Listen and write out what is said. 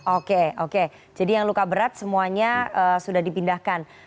oke oke jadi yang luka berat semuanya sudah dipindahkan